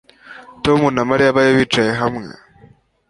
Tom na Mariya bari bicaye hamwe